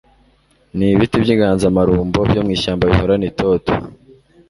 nibiti byinganzamarumbo byo mw ishyamba bihoranitoto